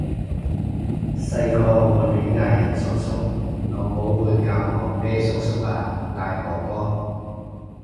細個我亂嗌人叔叔，老母會教我咩叔叔啊！嗌哥哥！